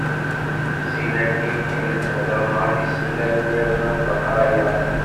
Sin akkin kemmlen hedren ɣef yisental-nniḍen am leqraya.